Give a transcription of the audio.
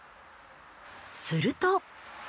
すると。